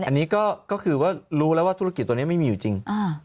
อันนี้ก็คือว่ารู้แล้วว่าธุรกิจตัวนี้ไม่มีอยู่จริง